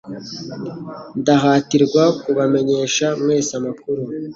Ndahatirwa kubamenyesha mwese amakuru